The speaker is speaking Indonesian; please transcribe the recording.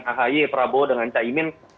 ahy prabowo dengan caimin